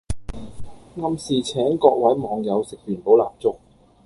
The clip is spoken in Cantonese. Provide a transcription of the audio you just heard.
暗示請各位網友食元寶蠟燭